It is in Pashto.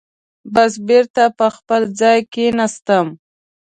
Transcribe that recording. بس بېرته پر خپل ځای کېناستم.